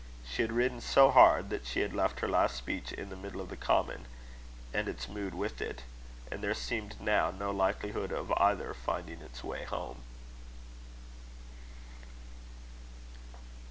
She had ridden so hard, that she had left her last speech in the middle of the common, and its mood with it; and there seemed now no likelihood of either finding its way home.